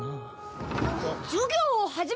・・授業を始めるぞ！